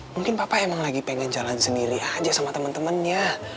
mungkin papa emang lagi pengen jalan sendiri aja sama temen temennya